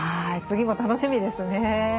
次も楽しみですね。